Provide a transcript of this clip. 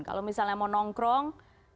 kalau misalnya mau nongkrong